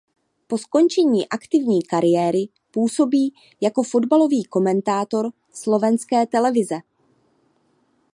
Po skončení aktivní kariéry působí jako fotbalový komentátor slovenské televize.